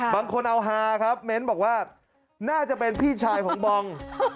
บางคนเอาฮาครับเม้นบอกว่าน่าจะเป็นพี่ชายของบอง